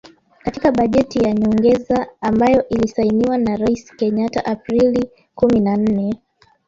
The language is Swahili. Katika bajeti ya nyongeza ambayo ilisainiwa na Raisi Kenyatta Aprili kumi na nne